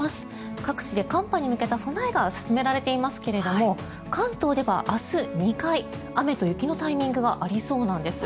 各地で寒波に向けた備えが進められていますが関東では明日、２回雨と雪のタイミングがありそうなんです。